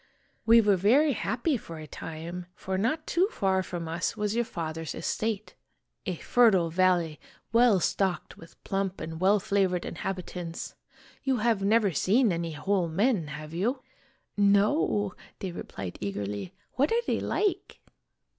We were very happy for a time, for not too far from us was your father's estate a fertile valley well stocked with plump and well fla vored inhabitants. You have never seen any whole men, have you ?"" No," they replied eagerly. "What are they like?"